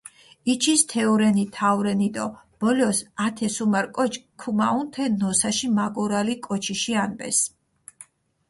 იჩის თეურენი, თაურენი დო ბოლოს ათე სუმარ კოჩქ ქუმაჸუნ თე ნოსაში მაგორალი კოჩიში ანბეს.